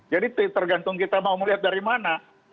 jadi tergantung kita mau melihat dari mana